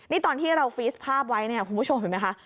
นี่ตอนที่เราฟีสภาพไว้เนี่ยคุณผู้ชมเห็นไหมคะ